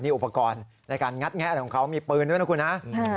อุปกรณ์ในการงัดแงะอะไรของเขามีปืนด้วยนะคุณฮะ